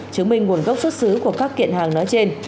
chứng minh nguồn gốc xuất xứ của các kiện hàng nói trên